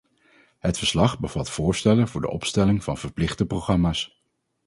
Het verslag bevat voorstellen voor de opstelling van verplichte programma's.